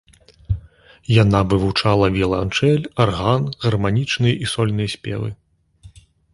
Яна вывучала віяланчэль, арган, гарманічныя і сольныя спевы.